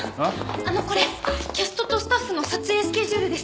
あのこれキャストとスタッフの撮影スケジュールです。